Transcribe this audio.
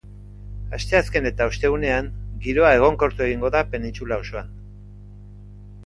Asteazken eta ostegunean, giroa egonkortu egingo da penintsula osoan.